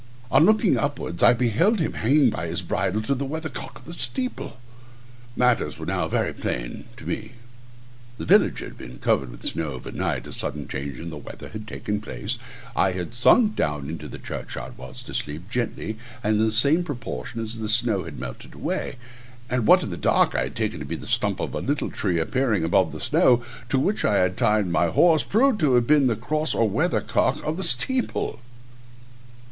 On looking upwards I beheld him hanging by his bridle to the weather cock of the steeple. Matters were now very plain to me: the village had been covered with snow overnight; a sudden change of weather had taken place; I had sunk down to the churchyard whilst asleep, gently, and in the same proportion as the snow had melted away; and what in the dark I had taken to be a stump of a little tree appearing above the snow, to which I had tied my horse, proved to have been the cross or weather cock of the steeple!